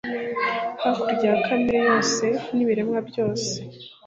hakurya ya kamere yose n'ibiremwa byose